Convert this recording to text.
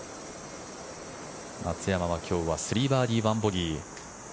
松山は今日は３バーディー、１ボギー。